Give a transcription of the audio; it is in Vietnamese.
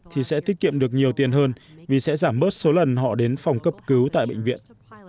thì sẽ tiết kiệm được nhiều tiền hơn vì sẽ giảm bớt số lần họ đến phòng cấp cứu tại bệnh viện